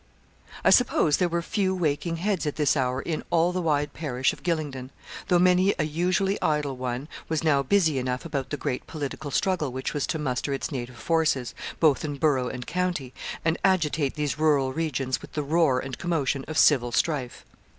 I suppose there were few waking heads at this hour in all the wide parish of Gylingden, though many a usually idle one was now busy enough about the great political struggle which was to muster its native forces, both in borough and county, and agitate these rural regions with the roar and commotion of civil strife.